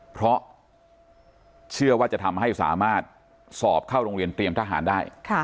เพราะเชื่อว่าจะทำให้สามารถสอบเข้าโรงเรียนเตรียมทหารได้